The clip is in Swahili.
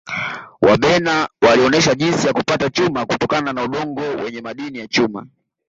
wabena walionesha jinsi ya kupata chuma kutokana na udongo wenye madini ya chuma